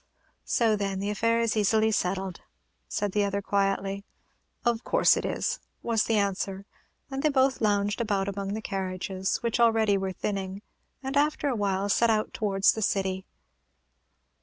"So, then, the affair is easily settled," said the other, quietly. "Of course it is," was the answer; and they both lounged about among the carriages, which already were thinning, and, after a while, set out towards the city.